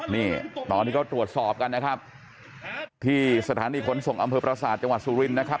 นี่ตอนที่เขาตรวจสอบกันนะครับที่สถานีขนส่งอำเภอประสาทจังหวัดสุรินทร์นะครับ